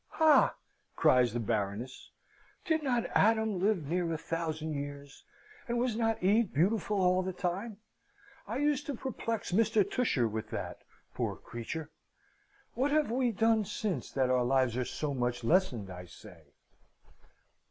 "Ha!" cries the Baroness. "Did not Adam live near a thousand years, and was not Eve beautiful all the time? I used to perplex Mr. Tusher with that poor creature! What have we done since, that our lives are so much lessened, I say?"